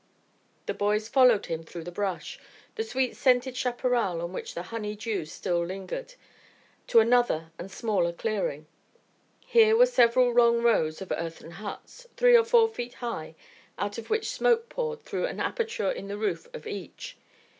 The boys followed him through the brush, the sweet scented chaparral on which the honey dew still lingered, to another and smaller clearing. Here were several long rows of earthen huts, three or four feet high, out of which smoke poured through an aperture in the roof of each.